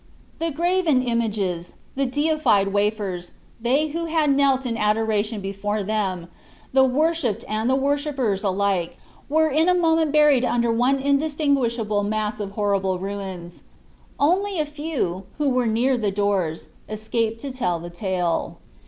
The graven images, the deified wafers, and they who had knelt in adoration before them the worshipped and the worshippers alike were in a moment buried under one undistinguishable mass of horrible ruins. Only a few, who were near the doors, escaped to tell the tale.